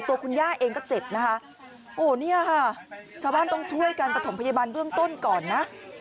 ตัวคุณย่าเองก็เจ็บนะคะโอ้เนี่ยค่ะชาวบ้านต้องช่วยการประถมพยาบาลเบื้องต้นก่อนนะ